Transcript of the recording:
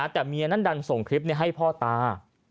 แต่เมียนั้นดันส่งคลิปให้พ่อตา